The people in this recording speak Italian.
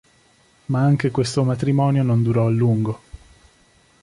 Ma anche questo matrimonio non durò a lungo.